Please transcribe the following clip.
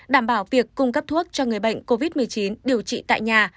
đảm bảo việc cung cấp thuốc cho người bệnh covid một mươi chín điều trị tại nhà